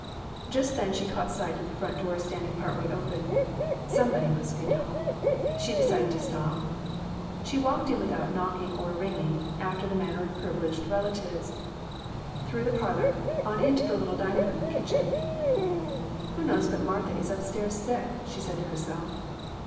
Just then she caught sight of the front door standing part way open. Somebody must be at home. She decided to stop. She walked in without knocking or ringing, after the manner of privileged relatives, through the parlor, on into the little dining room and kitchen. "Who knows but Martha is up stairs sick?" she said to herself.